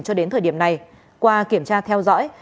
cho đến thời điểm này qua kiểm tra theo dõi